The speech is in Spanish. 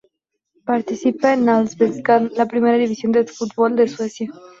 Participa en la Allsvenskan, la primera división de fútbol de Suecia.